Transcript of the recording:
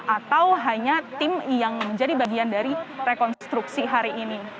atau hanya tim yang menjadi bagian dari rekonstruksi hari ini